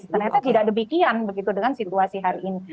ternyata tidak ada bikin begitu dengan situasi hari ini